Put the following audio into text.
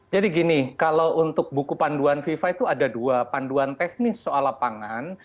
jadi gini kalau untuk buku panduan fifa itu ada dua panduan teknis soal lapangan